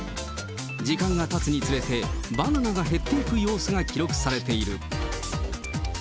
時間がたつにつれて、バナナが減っていく様子が記録されている。